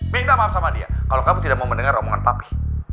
minta maaf sama dia kalau kamu tidak mau mendengar omongan papi